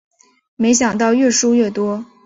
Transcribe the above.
没想到越输越多